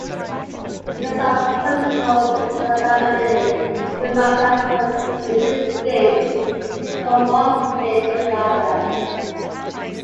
Because of political instability, Veerappan could easily escape from one state to another.